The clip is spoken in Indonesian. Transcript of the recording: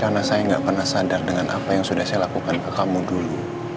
karena saya gak pernah sadar dengan apa yang sudah saya lakukan ke kamu dulu